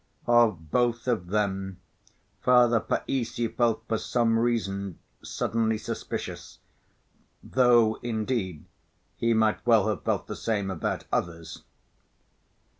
Of both of them Father Païssy felt for some reason suddenly suspicious—though, indeed, he might well have felt the same about others.